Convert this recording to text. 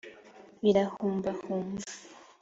birahumbahumba